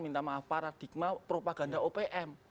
minta maaf paradigma propaganda opm